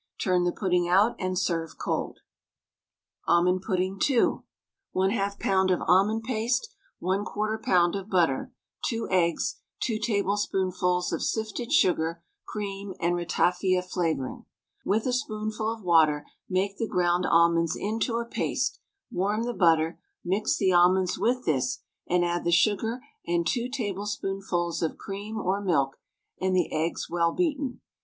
Turn the pudding out and serve cold. ALMOND PUDDING (2). 1/2 lb. of almond paste, 1/4 lb. of butter, 2 eggs, 2 tablespoonfuls of sifted sugar, cream, and ratafia flavouring. With a spoonful of water make the ground almonds into a paste, warm the butter, mix the almonds with this, and add the sugar and 2 tablespoonfuls of cream or milk, and the eggs well beaten.